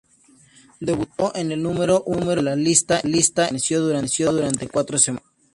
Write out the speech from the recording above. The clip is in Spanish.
Debutó en el número uno de la lista y permaneció durante cuatro semanas.